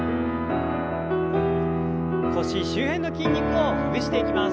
腰周辺の筋肉をほぐしていきます。